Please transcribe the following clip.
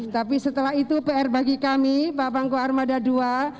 tapi setelah itu pr bagi kami pak pangko armada ii